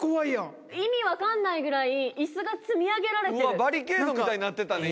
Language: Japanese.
うわっバリケードみたいになってたね